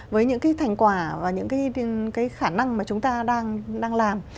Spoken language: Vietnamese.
với những cái thành quả và những cái khả năng mà chúng ta đang làm